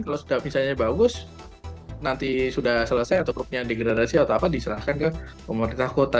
kalau sudah misalnya bagus nanti sudah selesai atau grupnya degradasi atau apa diserahkan ke pemerintah kota